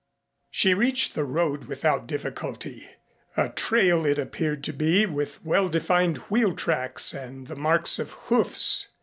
She reached the road without difficulty a trail it appeared to be with well defined wheel tracks and the marks of hoofs.